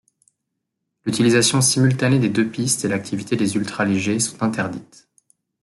L'utilisation simultanée des deux pistes et l'activité des ultra-légers sont interdites.